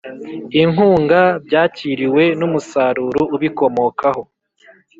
inkunga byakiriwe n umusaruro ubikomokaho